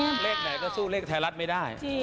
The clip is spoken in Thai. เลขไหนก็สู้เลขไทยรัฐไม่ได้